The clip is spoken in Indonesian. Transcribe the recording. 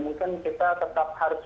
mungkin kita tetap harus